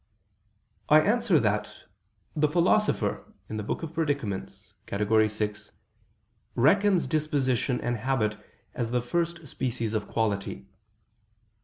I answer that, The Philosopher in the Book of Predicaments (Categor. vi) reckons disposition and habit as the first species of quality.